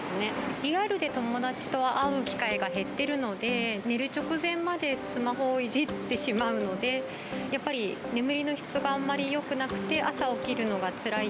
リアルで友達と会う機会が減っているので、寝る直前までスマホをいじってしまうので、やっぱり眠りの質があんまりよくなくて、朝起きるのがつらい。